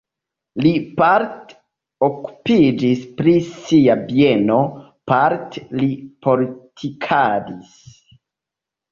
Li parte okupiĝis pri sia bieno, parte li politikadis.